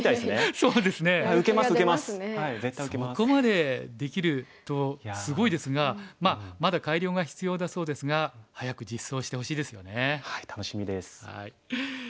そこまでできるとすごいですがまだ改良が必要だそうですが早く実装してほしいですよね。